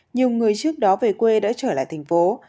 nhiều người trước đó về quê đã trở lại thành phố